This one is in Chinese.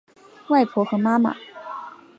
外婆和妈妈